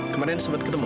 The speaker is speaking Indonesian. kemarin sempat ketemu